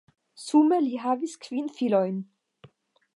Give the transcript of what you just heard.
Sume li havis kvin filojn.